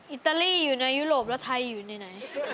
อิตาลีอยู่ในยุโรปแล้วไทยอยู่ในไหน